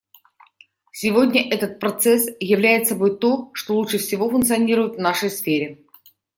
Сегодня этот процесс являет собой то, что лучше всего функционирует в нашей сфере.